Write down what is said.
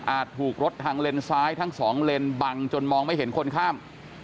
ถูกรถทางเลนซ้ายทั้งสองเลนบังจนมองไม่เห็นคนข้าม